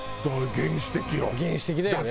原始的だよね。